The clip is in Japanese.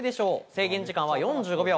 制限時間は４５秒。